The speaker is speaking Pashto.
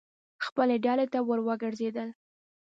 خپلې ډلې ته ور وګرځېدل.